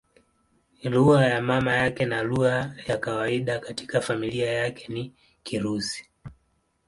Lugha ya mama yake na lugha ya kawaida katika familia yake ni Kirusi.